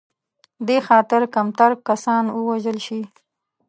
دې خاطر کمتر کسان ووژل شي.